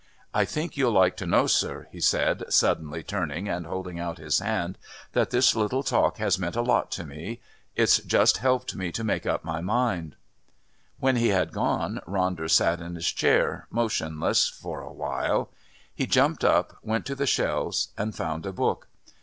I think you'll like to know, sir," he said, suddenly turning and holding out his hand, "that this little talk has meant a lot to me. It's just helped me to make up my mind." When he had gone Ronder sat in his chair, motionless, for a while; he jumped up, went to the shelves, and found a book.